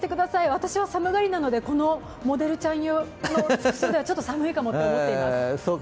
私は寒がりなのでこのモデルちゃんの服装ではちょっと寒いかもと思っています。